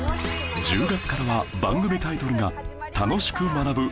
１０月からは番組タイトルが『楽しく学ぶ！